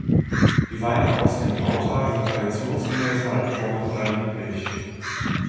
Die Weine aus dem Drautal sind traditionsgemäß halbtrocken oder lieblich.